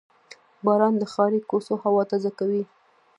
• باران د ښاري کوڅو هوا تازه کوي.